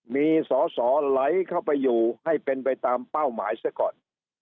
มีสอสอไหลเข้าไปอยู่ให้เป็นไปตามเป้าหมายเสียก่อน